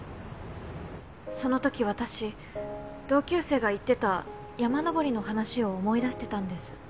そのとき私同級生が言ってた山登りの話を思い出してたんです。